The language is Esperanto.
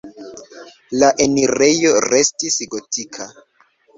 La enirejo restis gotika.